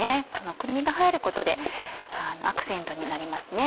くるみが入ることでアクセントになります。